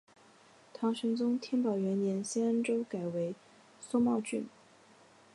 唐玄宗天宝元年新安州改为苏茂郡。